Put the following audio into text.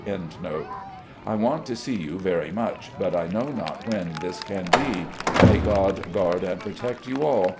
'* I want to see you all very much, but I know not when that can be. May God guard and protect you all.